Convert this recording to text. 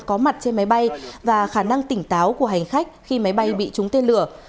có mặt trên máy bay và khả năng tỉnh táo của hành khách khi máy bay bị trúng tên lửa